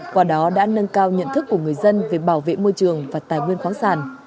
qua đó đã nâng cao nhận thức của người dân về bảo vệ môi trường và tài nguyên khoáng sản